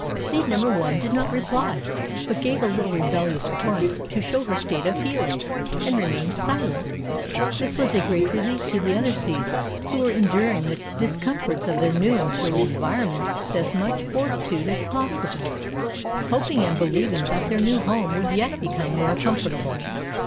Seed number One did not reply, but gave a little rebellious grunt to show her state of feelings and remained silent. This was a great relief to the other seeds, who were enduring the discomforts of their new and chilly environments with as much fortitude as possible, hoping and believing that their new home would yet become more comfortable.